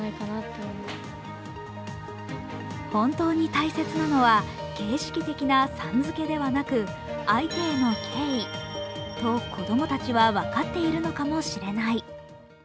そういえばあの小学校の児童も本当に大切なのは形式的なさん付けではなく相手への敬意、と子供たちは分かっているのかもしれない。